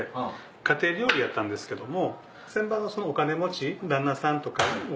家庭料理やったんですけども。